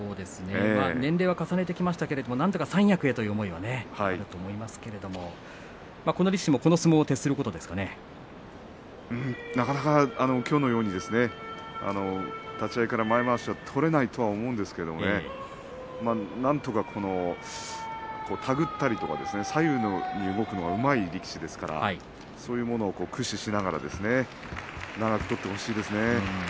年齢を重ねてきましたがなんとか三役へという思いはあると思いますけれどもこの力士もなかなかきょうのようにですね立ち合いから前まわしは取れないと思うんですけどもなんとか手繰ったり左右に動くのがうまい力士ですからそういうのを駆使しながらですね長く取ってほしいですね。